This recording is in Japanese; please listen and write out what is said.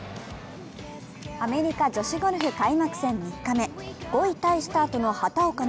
アメリカ女子ゴルフ開幕戦３日目５位タイスタートの畑岡奈